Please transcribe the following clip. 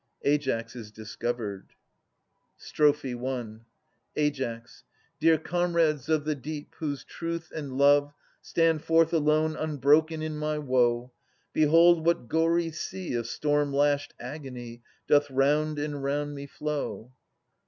[Aias is discovered. Strophe I. Ai. Dear comrades of the deep, whose truth and love Stand forth alone unbroken in my woe, Behold what gory sea Of storm lashed agony Doth round and round me flow